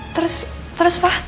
terus terus pak